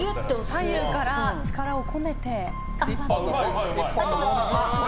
左右から力を込めて。